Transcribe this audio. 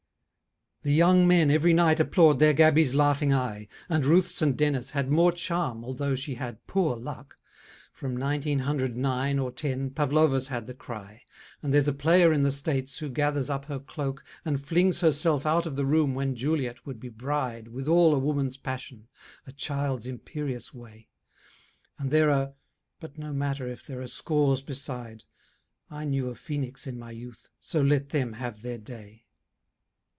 The young men every night applaud their Gaby's laughing eye, And Ruth St. Denis had more charm although she had poor luck, From nineteen hundred nine or ten, Pavlova's had the cry, And there's a player in the States who gathers up her cloak And flings herself out of the room when Juliet would be bride With all a woman's passion, a child's imperious way, And there are but no matter if there are scores beside: I knew a phoenix in my youth so let them have their day.